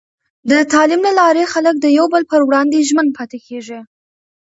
د تعلیم له لارې، خلک د یو بل پر وړاندې ژمن پاتې کېږي.